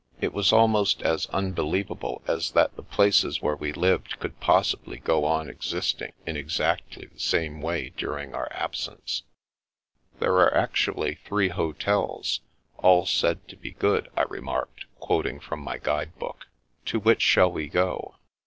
The Little Rift within the Lute 233 It was almost as unbelievable as that the places where we lived could possibly go on existing in exactly the same way during our absence. "There are actually three hotels, all said to be good/* I remarked, quoting from my guide book. " To which shall we go?